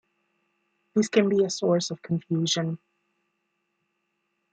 This can be a source of confusion.